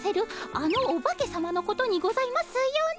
あのオバケさまのことにございますよね？